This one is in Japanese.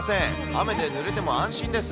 雨でぬれても安心です。